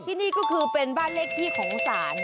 ที่นี่ก็คือเป็นบ้านเลขที่ของศาล